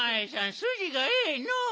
すじがええのう。